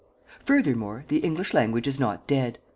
Furthermore, the English language is not dead.